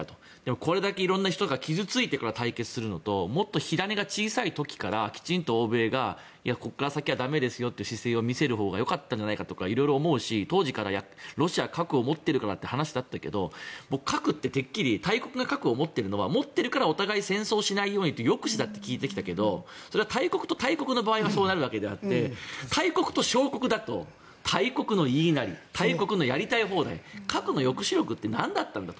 これだけ色んな人が傷付いて対決するのともっと火種が小さい時からきちんと欧米がここから先は駄目ですよという姿勢を見せるほうがよかったんじゃないかとか色々思うし、当時からロシアは核を持っているからという話だったけど僕、核っててっきり大国が核を持っているのは持っているからお互いに戦争をしないようにという抑止だと聞いてきたけどそれは大国と大国の場合はそうなるだけであって大国と小国だと大国の言いなり大国のやりたい放題核の抑止力って何だったんだと。